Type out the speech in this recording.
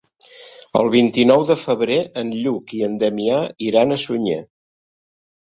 El vint-i-nou de febrer en Lluc i en Damià iran a Sunyer.